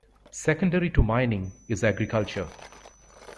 Secondary to mining is agriculture.